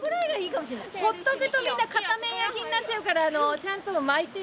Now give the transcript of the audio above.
放っておくとみんな片面焼きになっちゃうからちゃんと巻いてよ